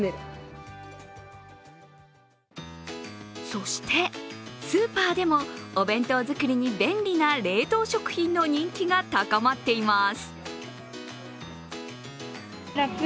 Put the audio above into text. そしてスーパーでもお弁当作りに便利な冷凍食品の人気が高まっています。